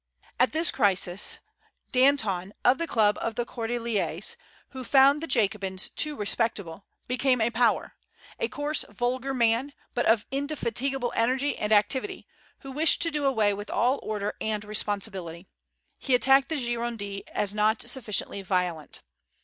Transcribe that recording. At this crisis, Danton, of the club of the Cordéliers, who found the Jacobins too respectable, became a power, a coarse, vulgar man, but of indefatigable energy and activity, who wished to do away with all order and responsibility. He attacked the Gironde as not sufficiently violent.